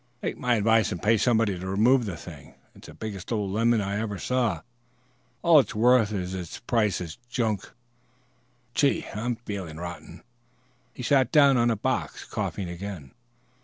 "Take my advice and pay somebody to remove the thing. It's the biggest old lemon I ever saw. All it's worth is its price as junk. Gee! I'm feeling rotten." He sat down on a box, coughing again.